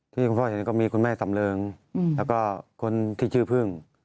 ที่คุณพ่อเห็นก็มีคุณแม่สำเริงแล้วก็คนที่ชื่อพึ่ง